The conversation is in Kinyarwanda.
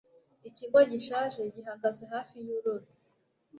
Ikigo gishaje gihagaze hafi yuruzi.